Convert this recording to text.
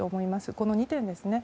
この２点ですね。